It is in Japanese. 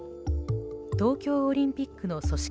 東京オリンピックの組織